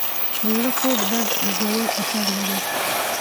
د زړه خوږ درد ژور اثر لري.